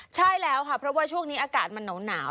ใช่แล้วค่ะเพราะว่าช่วงนี้อากาศมันหนาว